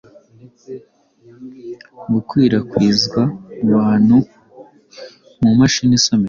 gukwirakwizwa mubantu mumashini isomeka